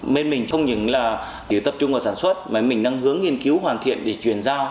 bên mình không những là chỉ tập trung vào sản xuất mà mình đang hướng nghiên cứu hoàn thiện để chuyển giao